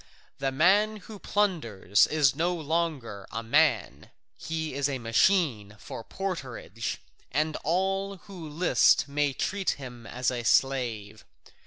The man who plunders is no longer a man, he is a machine for porterage, and all who list may treat him as a slave.